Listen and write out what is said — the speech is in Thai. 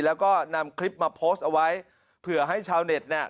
แล้วก็นำคลิปมาโพสต์เอาไว้เผื่อให้ชาวเน็ตเนี่ย